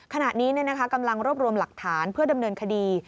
ขณะนี้กำลังรวบรวมหลักฐานเพื่อดำเนินคดี